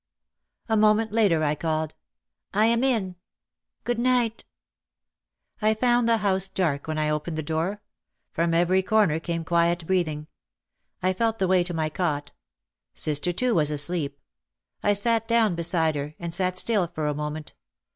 A moment later I called : "I am in. Good night !" I found the house dark when I opened the door. From every corner came quiet breathing. I felt the way to my cot. Sister, too, was asleep. I sat down beside her, and sat still for a moment.